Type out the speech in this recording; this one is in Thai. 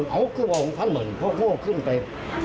เอาคือว่าของท่านเหมือนพ่อโง่ขึ้นไป